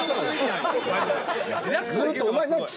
ずっとお前何？